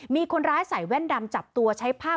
มีคนร้ายใส่แว่นดำจับตัวใช้ภาพ